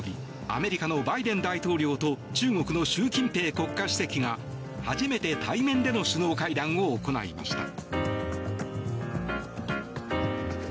アメリカのバイデン大統領と中国の習近平国家主席が初めて対面での首脳会談を行いました。